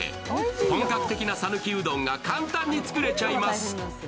本格的な讃岐うどんが簡単に作れちゃいます。